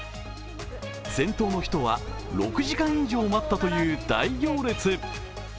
先頭の人は６時間以上待ったという大行列。